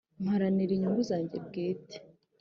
mparanira inyungu zanjye bwite